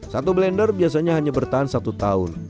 satu blender biasanya hanya bertahan satu tahun